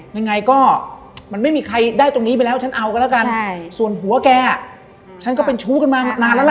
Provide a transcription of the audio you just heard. ยังไงก็มันไม่มีใครได้ตรงนี้ไปแล้วฉันเอากันแล้วกันส่วนผัวแกฉันก็เป็นชู้กันมานานแล้วล่ะ